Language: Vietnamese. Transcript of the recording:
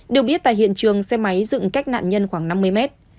được biết tại hiện trường xe máy dựng cách nạn nhân khoảng năm mươi mét